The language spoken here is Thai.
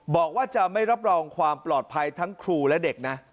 บอกว่าจะไม่รับรองความปลอดภัยทั้งครูและเด็กนะ